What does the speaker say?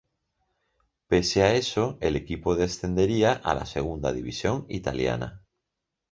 Pese a eso, el equipo descendería a la segunda división italiana.